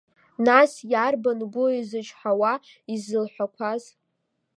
Нас иарбан гәу изычҳауа исзылҳәақәаз.